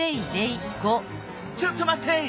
ちょっとまって！